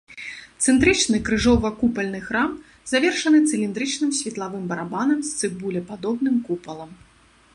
Цэнтрычны крыжова-купальны храм, завершаны цыліндрычным светлавым барабанам з цыбулепадобным купалам.